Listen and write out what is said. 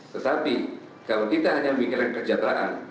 tetapi kalau kita hanya memikirkan kesejahteraan